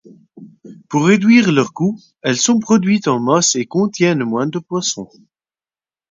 Pour réduire leur coût, elles sont produites en masse et contiennent moins de poisson.